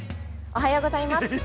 ◆おはようございます。